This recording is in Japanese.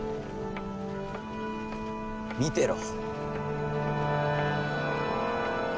見てろ。